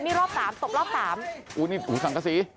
นี่รอบสามตบรอบสามโอ้นี่ถือสังกษี